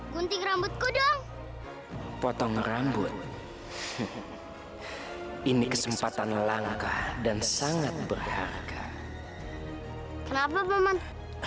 gunting rambutku dong potong rambut ini kesempatan langka dan sangat berharga kenapa paman